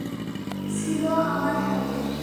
ছিল আমার হাতে।